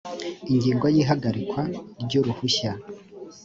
ingingo ya…: ihagarikwa ry’uruhushya